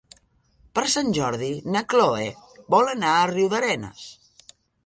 Per Sant Jordi na Cloè vol anar a Riudarenes.